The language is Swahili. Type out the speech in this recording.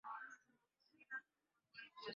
Mbuzi alichinjwa sikukuu